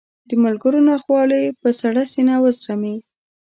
د ملګرو ناخوالې په سړه سینه وزغمي.